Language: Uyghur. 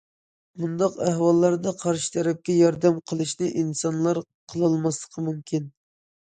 بۇنداق ئەھۋالدا قارشى تەرەپكە ياردەم قىلىشنى ئىنسانلار قىلالماسلىقى مۇمكىن.